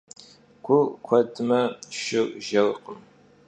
Gur k'uedme, şşır jjerkhım.